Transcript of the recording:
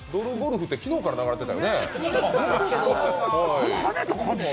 ドルゴルフって昨日から流れてたよね。